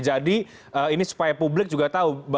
jadi ini supaya publik juga tahu